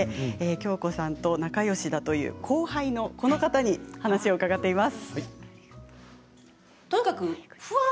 仲よしだという後輩のこの方にお話を伺っています。